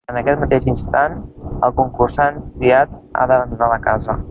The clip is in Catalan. En aquest mateix instant, el concursant triat ha d'abandonar la casa.